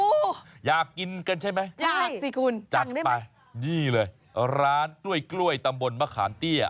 โอ้โหอยากกินกันใช่ไหมยากสิคุณจัดไปนี่เลยร้านกล้วยกล้วยตำบลมะขามเตี้ย